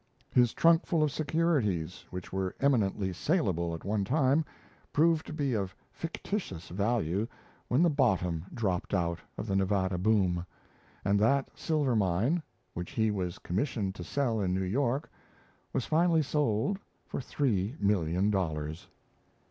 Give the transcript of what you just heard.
His trunkful of securities, which were eminently saleable at one time, proved to be of fictitious value when "the bottom dropped out" of the Nevada boom; and that silver mine, which he was commissioned to sell in New York, was finally sold for three million dollars!